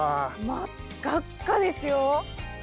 真っ赤っかですよ。